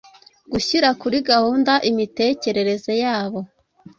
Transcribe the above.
gushyira kuri gahunda imitekerereze yabo.